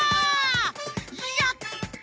やった！